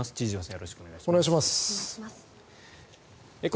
よろしくお願いします。